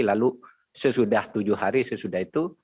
lalu sesudah tujuh hari sesudah itu